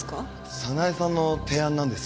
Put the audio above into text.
早苗さんの提案なんです。